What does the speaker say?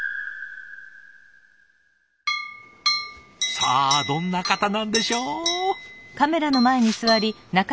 さあどんな方なんでしょう？